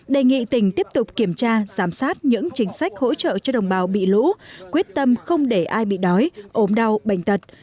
đề nghị tỉnh tiếp tục kiểm tra giám sát những chính sách hỗ trợ cho đồng bào bị lũ quyết tâm không để ai bị đói ốm đau bệnh tật